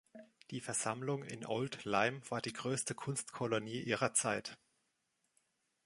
Die Versammlung in Old Lyme war die größte Kunstkolonie ihrer Zeit.